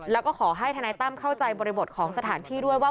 แล้วก็ขอให้ทนายตั้มเข้าใจบริบทของสถานที่ด้วยว่า